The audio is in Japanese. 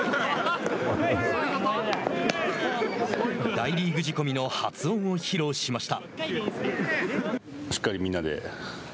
大リーグ仕込みの発音を披露しました。